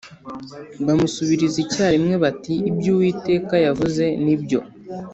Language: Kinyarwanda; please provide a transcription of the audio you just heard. bamusubiriza icyarimwe bati Ibyo Uwiteka yavuze nibyo